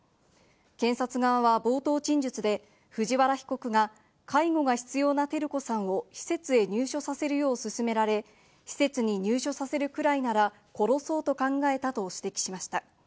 検察側は冒頭陳述で藤原被告が介護が必要な照子さんを施設へ入所させるようすすめられ、施設に入所させるくらいなら殺そうと考えたと指摘しました。